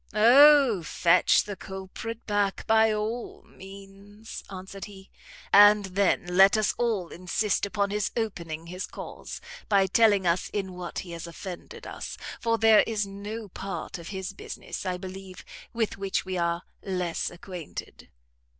"O, fetch the culprit back, by all means," answered he; "and then let us all insist upon his opening his cause, by telling us in what he has offended us; for there is no part of his business, I believe, with which we are less acquainted."